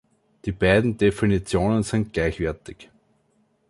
Die beiden Definitionen sind gleichwertig.